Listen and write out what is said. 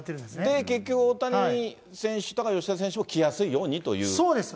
で、結局、大谷選手とか吉田選手も来やすいようにということそうです。